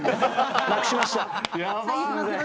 なくしました。